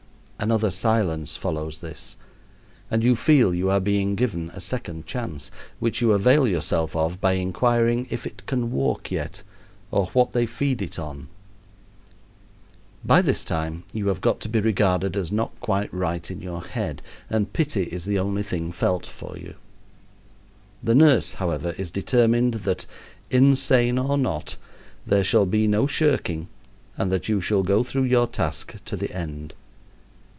Another silence follows this, and you feel you are being given a second chance, which you avail yourself of by inquiring if it can walk yet, or what they feed it on. By this time you have got to be regarded as not quite right in your head, and pity is the only thing felt for you. The nurse, however, is determined that, insane or not, there shall be no shirking and that you shall go through your task to the end.